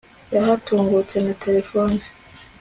yahatungutse na terefone